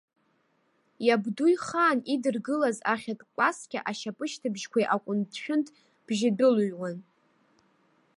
Иабду ихаан идыргылаз ахьатә кәасқьа ашьапы шьҭыбжьқәеи аҟәындшәынд бжьи дәылыҩуан.